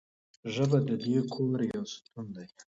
ژبه د دې کور یو ستون دی.